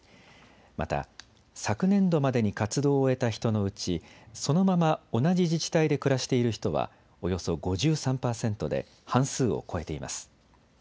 また、昨年度までに活動を終えた人のうちそのまま同じ自治体で暮らしている人はおよそ５３％で半数を超えています。